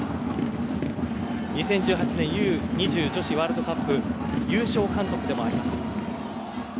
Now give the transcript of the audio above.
２０１８年Ｕ‐２０女子ワールドカップ優勝監督でもあります。